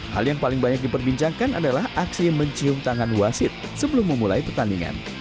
hal yang paling banyak diperbincangkan adalah aksi mencium tangan wasit sebelum memulai pertandingan